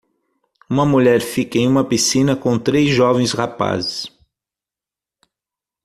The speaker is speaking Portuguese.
Uma mulher fica em uma piscina com três jovens rapazes.